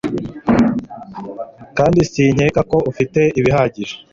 kandi sinkeka ko ufite ibihagije